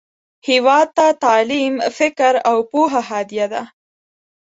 هیواد ته تعلیم، فکر، او پوهه هدیه ده